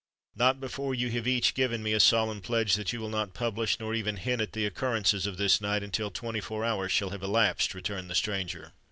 "Not before you have each given me a solemn pledge that you will not publish nor even hint at the occurrences of this night until twenty four hours shall have elapsed," returned the stranger.